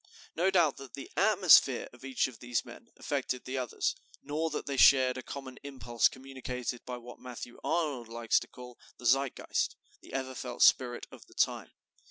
No doubt that the atmosphere of each of these men affected the others, nor that they shared a common impulse communicated by what Matthew Arnold likes to call the Zeitgeist, the ever felt spirit of the time.